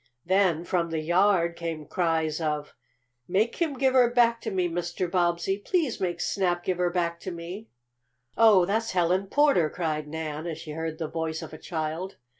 Then, from the yard, came cries of: "Make him give her back to me, Mr. Bobbsey! Please make Snap give her back to me!" "Oh, that's Helen Porter!" cried Nan, as she heard the voice of a child.